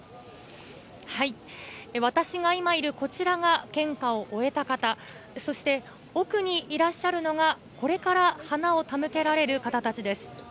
私が今いるこちらが、献花を終えた方、そして奥にいらっしゃるのが、これから花を手向けられる方たちです。